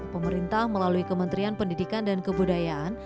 pemerintah melalui kementerian pendidikan dan kebudayaan